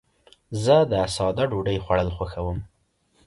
زه د ساده ډوډۍ خوړل خوښوم.